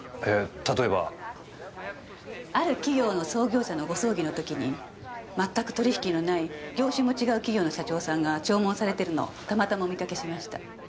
例えば？ある企業の創業者のご葬儀の時にまったく取引のない業種も違う企業の社長さんが弔問されてるのをたまたまお見かけしました。